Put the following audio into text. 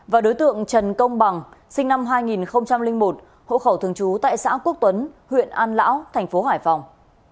và đối tượng trần công bằng sinh năm hai nghìn một hộ khẩu thường trú tại xã quốc tuấn huyện an lão thành phố hải phòng